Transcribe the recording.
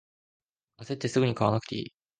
あせってすぐに買わなくていい